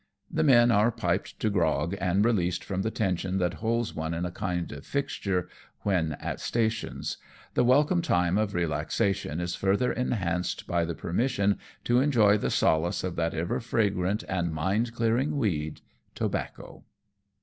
The men are piped to grog, and released from the tension that holds one in a kind of fixture when at stations ; the welcome time of relaxation is further enhanced by the permission to enjoy the solace of that ever fragrant and mind clearing weed, tobacco.